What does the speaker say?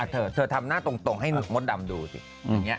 เธอทำหน้าตรงให้มดดำดูสิ